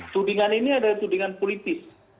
tudingan ini adalah tudingan politis